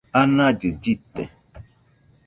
anallɨ llɨte